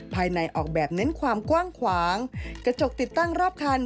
ภายในออกแบบเน้นความกว้างขวางกระจกติดตั้งรอบคัน